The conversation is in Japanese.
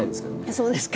そうですか。